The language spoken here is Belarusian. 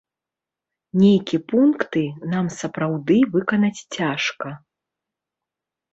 Нейкі пункты нам сапраўды выканаць цяжка.